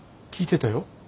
聞いてたよ。